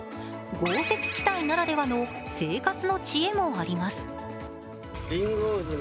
豪雪地帯ならではの生活の知恵もあります。